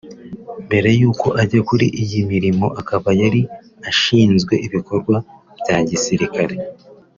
mbere yuko ajya kuri iyi mirimo akaba yari ashinzwe ibikorwa bya gisirikare